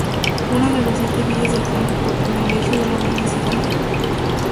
Fue una de las siete villas de Campo por privilegio de la reina Estefanía.